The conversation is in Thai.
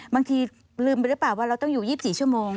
บางทีลืมไปหรือเปล่าว่าเราต้องอยู่๒๔ชั่วโมง